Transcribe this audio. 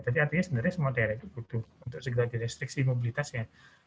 jadi artinya sebenarnya semua daerah itu butuh untuk segala restriksi mobilitasnya